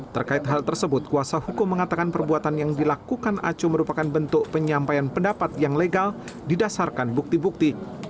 terkait hal tersebut kuasa hukum mengatakan perbuatan yang dilakukan aco merupakan bentuk penyampaian pendapat yang legal didasarkan bukti bukti